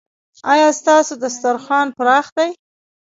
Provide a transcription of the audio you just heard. ایا ستاسو دسترخوان پراخ دی؟